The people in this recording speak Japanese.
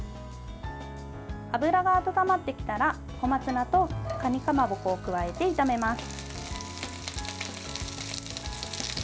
油が温まってきたら小松菜と、かにかまぼこを加えて炒めます。